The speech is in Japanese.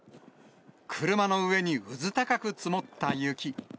車の上にうずたかく積もった雪。